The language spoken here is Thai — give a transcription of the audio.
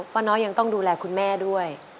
ป้าน้อยยังต้องดูแลคุณแม่ด้วย